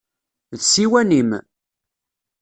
D ssiwan-im?